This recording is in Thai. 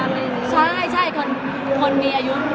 ไม่มีปัญหาเรื่องอายุ